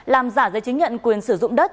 làm giả giấy chứng nhận quyền sử dụng đất